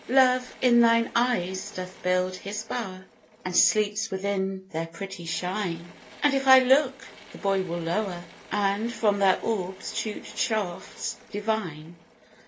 Love in thine eyes doth build his bower, And sleeps within their pretty shine; And if I look, the boy will lower, And from their orbs shoot shafts divine.